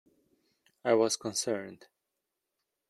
I was concerned.